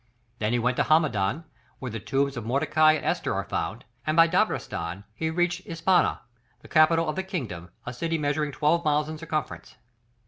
Then he went to Hamadan, where the tombs of Mordecai and Esther are found, and by Dabrestan he reached Ispahan, the capital of the kingdom, a city measuring twelve miles in circumference.